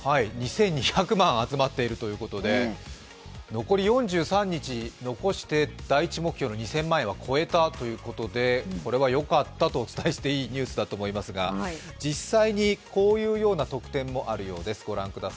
残り４３日で第１目標の２０００万円は超えたということで、これはよかったとお伝えしていいニュースだと思いますが実際に、こういうような特典もあるようです。